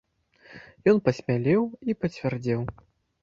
Ён пасмялеў і пацвярдзеў.